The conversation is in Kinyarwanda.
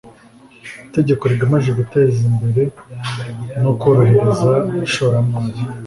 itegeko rigamije guteza imbere no korohereza ishoramari